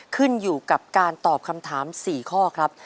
ขึ้นอยู่กับการตอบคำถาม๔ข้อครับ